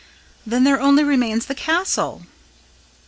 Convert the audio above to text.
"Then there only remains the Castle!"